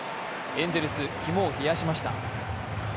エンゼルス、肝を冷やしました。